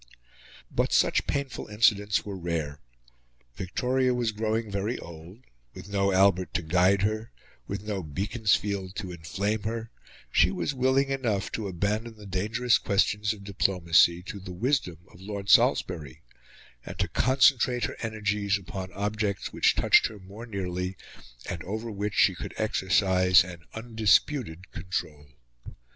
But such painful incidents were rare. Victoria was growing very old; with no Albert to guide her, with no Beaconsfield to enflame her, she was willing enough to abandon the dangerous questions of diplomacy to the wisdom of Lord Salisbury, and to concentrate her energies upon objects which touched her more nearly and over which she could exercise an undisputed control.